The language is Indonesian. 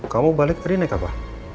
kamu balik tadi naik apa